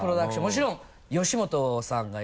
もちろん「吉本」さんがいる。